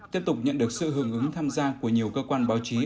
tiếp tục nhận được sự hưởng ứng tham gia của nhiều cơ quan báo chí